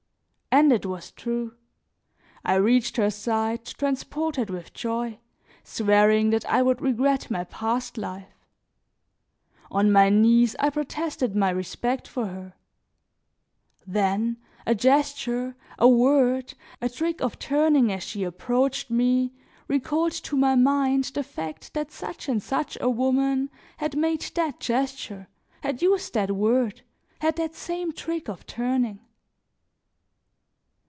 And it was true; I reached her side transported with joy, swearing that I would regret my past life; on my knees, I protested my respect for her; then a gesture, a word, a trick of turning as she approached me, recalled to my mind the fact that such and such a woman had made that gesture, had used that word, had that same trick of turning.